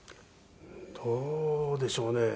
どうでしょうね。